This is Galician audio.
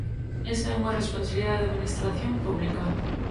Esa é unha responsabilidade da Administración pública.